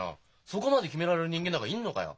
そこまで決められる人間なんかいんのかよ？